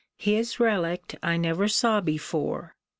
His relict I never saw before.